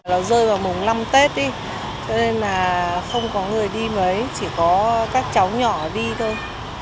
nó rơi vào mùng năm tết đi cho nên là không có người đi mấy chỉ có các cháu nhỏ đi thôi